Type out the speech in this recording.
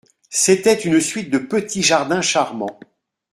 C'était une suite de petits jardins charmans.